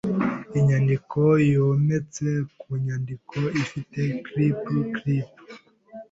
Inyandiko yometse ku nyandiko ifite clip clip.